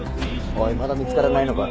おいまだ見つからないのか。